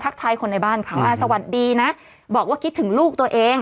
ท้ายคนในบ้านเขาอ่าสวัสดีนะบอกว่าคิดถึงลูกตัวเอง